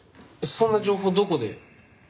そんな情報どこで？